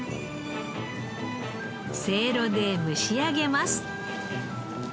せいろで蒸し上げます。